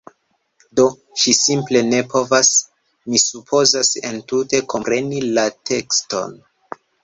Do, ŝi simple ne povas... mi supozas entute kompreni la tekston